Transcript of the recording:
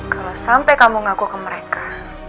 kalau sampai kamu ngaku ke mereka